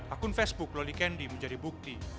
akun facebook loli kendi menjadi bukti